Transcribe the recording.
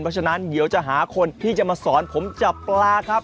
เพราะฉะนั้นเดี๋ยวจะหาคนที่จะมาสอนผมจับปลาครับ